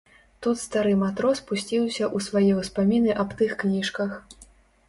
Тут стары матрос пусціўся ў свае ўспаміны аб тых кніжках.